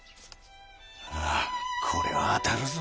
ああこれは当たるぞ。